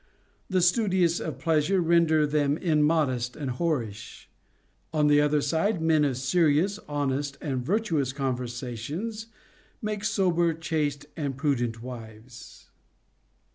The studious of pleasure render them immodest and whorish. On the other side, men of serious, honest, and virtuous conversations make sober, chaste, and prudent wives.